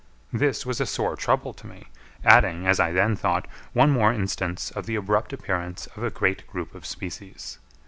This was a sore trouble to me, adding, as I then thought, one more instance of the abrupt appearance of a great group of species.